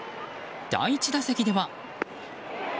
第１打席では。